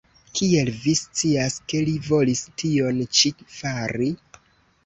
Kiel vi scias, ke li volis tion ĉi fari?